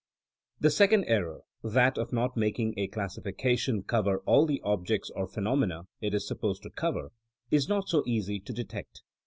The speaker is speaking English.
The second error — that of not making a classi fication cover fill the objects or phenomena it is supposed to cover — ^is not so easy to detect.